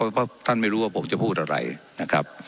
เพราะท่านไม่รู้ว่าผมจะพูดอะไรนะครับ